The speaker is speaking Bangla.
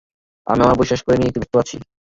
আমি আমার বই শেষ করা নিয়ে একটু ব্যস্ত আছি।